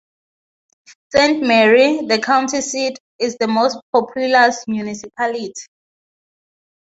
Sainte-Marie, the county seat, is the most populous municipality.